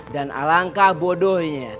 dan alangkah bodohnya